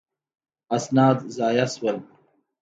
اسناد ضایع شول.